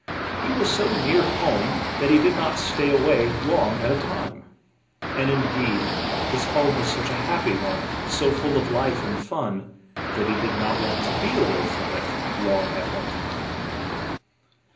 He was so near home that he did not stay a way long at a time; and in deed, this home was such a hap py one, so full of life and fun, that he did not want to be a way from it long at one time.